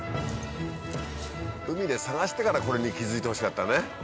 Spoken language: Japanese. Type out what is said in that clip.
海で探してからこれに気付いてほしかったね。